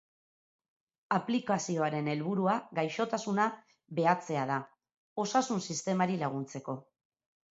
Aplikazioaren helburua gaixotasuna bahetzea da, osasun-sistemari laguntzeko.